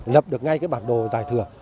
lập được ngay cái bản đồ giải thừa